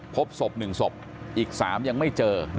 พบศพ๑ศพอีก๓ยังไม่เจอ